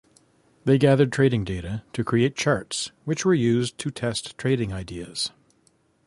They gathered trading data to create charts, which were used to test trading ideas.